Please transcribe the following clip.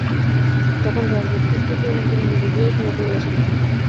তখন রাজলক্ষ্মী স্থির করিলেন, তিনি নিজে গিয়াই ক্ষমা করিয়া আসিবেন।